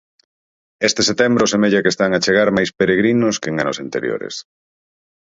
Este setembro semella que están a chegar máis peregrinos que en anos anteriores.